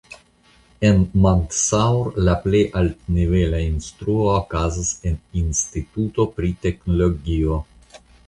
En Mandsaur la plej altnivela instruo okazas en instituto pri teknologio.